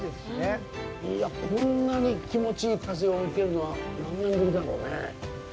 いや、こんなに気持ちいい風を受けるのは何年ぶりだろうねえ。